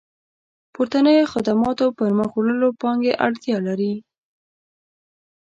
پورتنيو خدماتو پرمخ وړلو پانګې اړتيا لري.